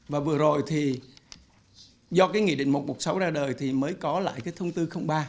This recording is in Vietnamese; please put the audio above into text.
và vừa rồi thì do cái nghị định một trăm một mươi sáu ra đời thì mới có lại cái thông tư ba